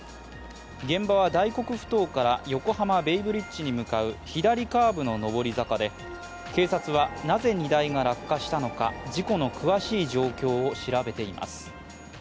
現場は大黒ふ頭から横浜ベイブリッジに向かう左カーブの上り坂で警察は、なぜ荷台が落下したのか事故の詳しい状況を調べています。